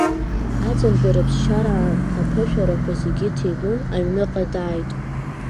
Аӡынтәи рыԥсшьара аан, аԥышәарақәа зегьы ҭины аҩныҟа дааит.